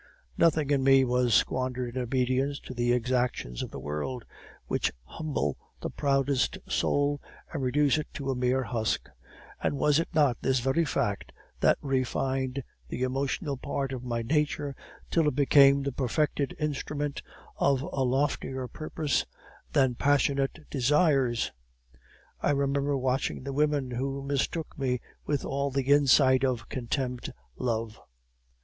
Nothing in me was squandered in obedience to the exactions of the world, which humble the proudest soul and reduce it to a mere husk; and was it not this very fact that refined the emotional part of my nature till it became the perfected instrument of a loftier purpose than passionate desires? I remember watching the women who mistook me with all the insight of contemned love.